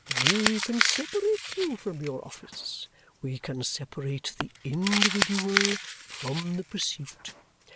We can separate you from your office; we can separate the individual from the pursuit.